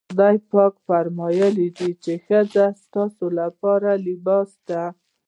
خدای پاک فرمايي چې ښځې ستاسې لپاره لباس دي.